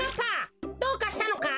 どうかしたのか？